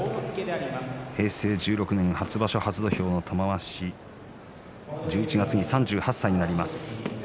平成１６年初場所初土俵、玉鷲１１月に３８歳になります。